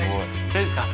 大丈夫ですか？